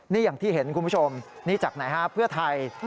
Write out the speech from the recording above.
นี่อย่างที่เห็นคุณผู้ชมนี่จากไหนฮะเพื่อไทย